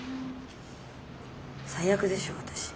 最悪でしょ私。